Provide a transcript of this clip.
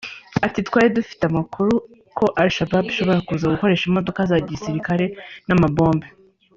Ati “Twari dufite amakuru ko Al-Shabaab ishobora kuza gukoresha imodoka za gisirikare n’amabombe [